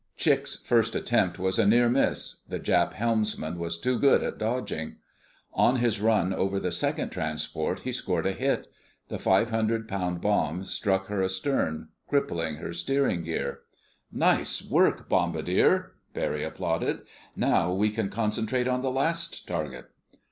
Chick's first attempt was a near miss—the Jap helmsman was too good at dodging. On his run over the second transport he scored a hit. The five hundred pound bomb struck her stern, crippling her steering gear. "Nice work, bombardier!" Barry applauded. "Now we can concentrate on the last target."